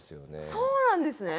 そうなんですね